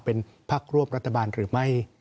เป็นพักร่วมรัฐบาลหรือไม่